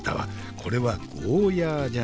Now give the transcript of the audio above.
これはゴーヤーじゃな。